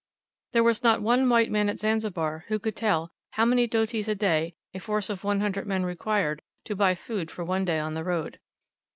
There was not one white man at Zanzibar who could tell how many dotis a day a force of one hundred men required to buy food for one day on the road.